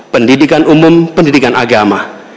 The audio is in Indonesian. pendidikan umum pendidikan agama